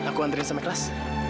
aku anterin sama kelas